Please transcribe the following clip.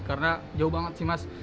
karena jauh banget sih mas